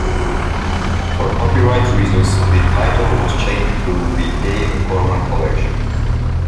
For copyright reasons, the title was changed to "The Dave Gorman Collection".